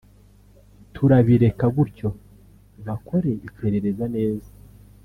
turabireka gutyo bakore iperereza neza